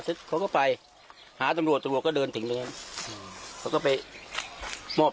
เสร็จเขาก็ไปหาตำรวจตำรวจก็เดินถึงแล้วเขาก็ไปมอบ